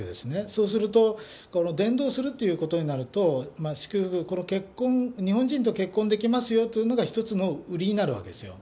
そうすると、伝道するっていうことになると、この結婚、日本人と結婚できますよというのが一つの売りになるわけですよ。